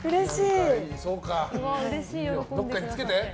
どこかにつけて。